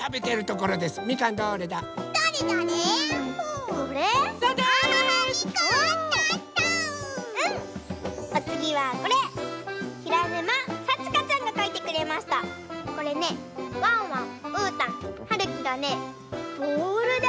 これねワンワンうーたんはるきがねボールであそんでます。